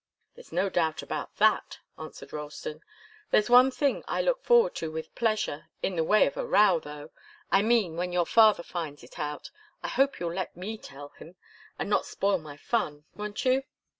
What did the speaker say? "There's no doubt about that," answered Ralston. "There's one thing I look forward to with pleasure, in the way of a row, though I mean when your father finds it out. I hope you'll let me tell him and not spoil my fun. Won't you?"